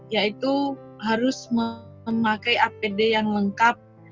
yaitu harus memakai apd yang lengkap